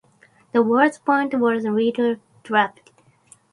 The word "Point" was later dropped.